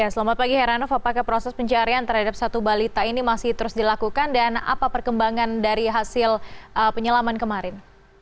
selamat pagi heranov apakah proses pencarian terhadap satu balita ini masih terus dilakukan dan apa perkembangan dari hasil penyelaman kemarin